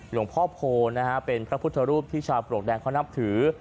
หลวงพ่อโพนะฮะเป็นพระพุทธรูปที่ชาวปลวกแดงเขานับถือ